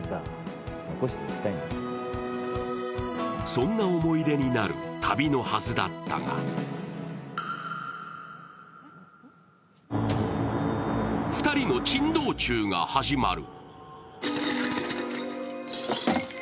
そんな思い出になる旅のはずだったが２人の珍道中が始まる。